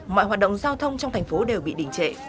mọi hoạt động giao thông trong thành phố đều bị đình trệ